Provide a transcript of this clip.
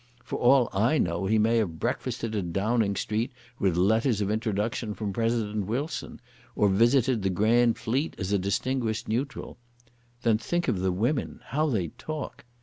For all I know he may have breakfasted at Downing Street with letters of introduction from President Wilson, or visited the Grand Fleet as a distinguished neutral. Then think of the women; how they talk.